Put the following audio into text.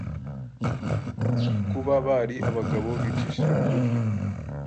Kuba bari abagabo bicishije bugufi,